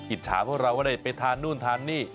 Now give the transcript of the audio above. อิจฉาพวกเราว่าได้ไปทานนู่นทานนี่